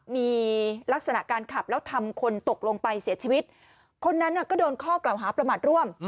มีลักษณะการขับแล้วทำคนตกลงไปเสียชีวิตคนนั้นก็โดนข้อกล่าวหาประมาทร่วม